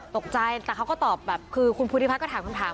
ตกใจแต่เขาก็ตอบแบบคือคุณภูติภัทรก็ถาม